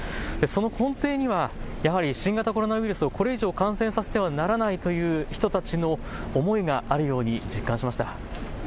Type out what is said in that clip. その根底には新型コロナウイルスをこれ以上、感染させてはならないという人たちの思いがあるように実感しました。